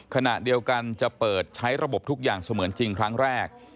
ขณะเดียวกันจะเปิดใช้ระบบทุกอย่างเสมือนจริงครั้งแรก